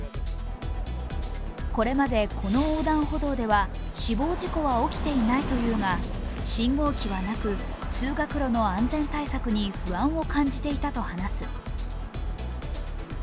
これまでこの横断歩道では死亡事故は起きていないというが信号機はなく、通学路の安全対策に不安を感じていたと話す。